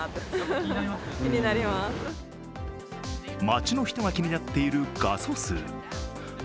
街の人が気になっている画素数。